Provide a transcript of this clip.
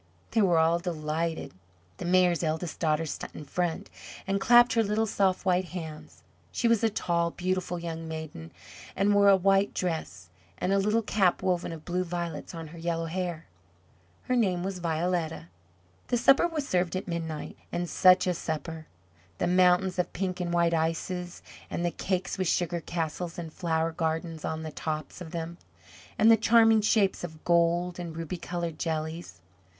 They were all delighted. The Mayor's eldest daughter sat in front and clapped her little soft white hands. She was a tall, beautiful young maiden, and wore a white dress, and a little cap woven of blue violets on her yellow hair. Her name was Violetta. The supper was served at midnight and such a supper! The mountains of pink and white ices, and the cakes with sugar castles and flower gardens on the tops of them, and the charming shapes of gold and ruby coloured jellies.